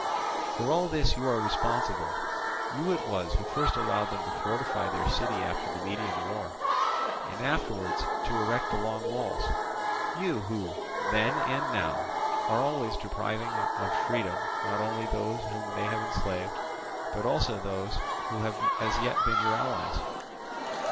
"For all this you are responsible. You it was who first allowed them to fortify their city after the Median war, and afterwards to erect the long walls—you who, then and now, are always depriving of freedom not only those whom they have enslaved, but also those who have as yet been your allies.